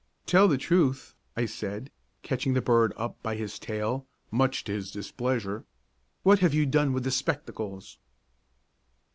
"Tell the truth!" I said, catching the bird up by his tail, much to his displeasure. "What have you done with the spectacles?"